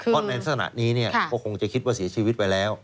เพราะในขณะนี้ก็คงจะคิดว่าเสียชีวิตไปแล้ว